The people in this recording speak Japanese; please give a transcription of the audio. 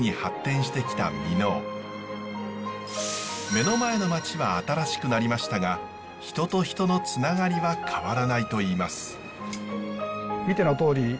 目の前の町は新しくなりましたが人と人のつながりは変わらないといいます。